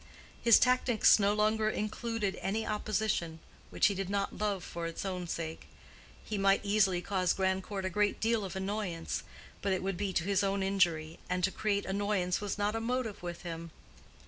His tactics no longer included any opposition—which he did not love for its own sake. He might easily cause Grandcourt a great deal of annoyance, but it would be to his own injury, and to create annoyance was not a motive with him.